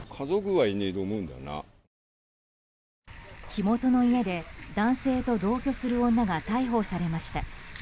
火元の家で男性と同居する女が逮捕されました。